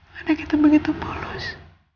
karena kita begitu polos